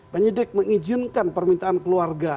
penyidik mengizinkan permintaan keluarga